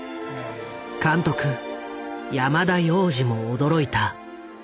監督山田洋次も驚いた。